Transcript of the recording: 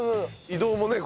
移動もね